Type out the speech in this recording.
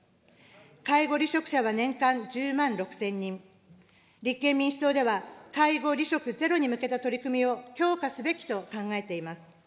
介護離職者は年間１０万６０００人、立憲民主党では、介護離職ゼロに向けた取り組みを強化すべきと考えています。